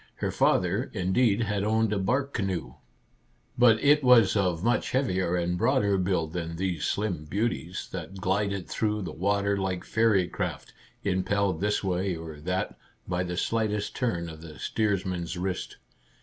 Her father, indeed, had owned a bark canoe, but it was of much heavier and broader build than these slim beauties, that glided through the water like fairy craft, impelled this way or that by the slightest turn of the steersman's wrist.